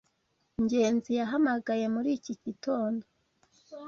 Ngenzi yahamagaye muri iki gitondo.